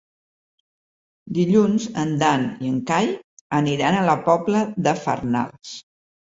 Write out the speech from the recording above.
Dilluns en Dan i en Cai aniran a la Pobla de Farnals.